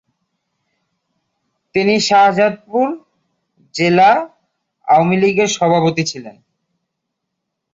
তিনি শাহজাদপুর উপজেলা আওয়ামীলীগের সভাপতি ছিলেন।